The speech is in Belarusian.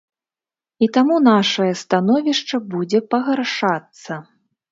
І таму нашае становішча будзе пагаршацца.